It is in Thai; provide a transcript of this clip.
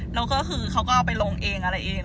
แล้วก็คือเขาก็เอาไปลงเองอะไรเอง